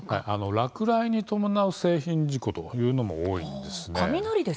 落雷に伴う製品事故というのも多いんですね。